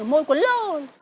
môi quấn lồ